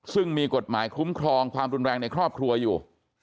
ซึ่งมีกฎหมายคุ้มครองความรุนแรงในครอบครัวอยู่